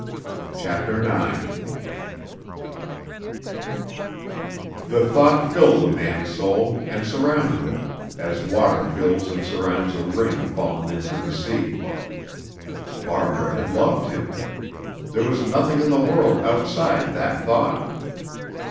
CHAPTER IX The thought filled the man's soul and surrounded it as water fills and surrounds a ring fallen into the sea. Barbara had loved him. There was nothing in the world outside that thought.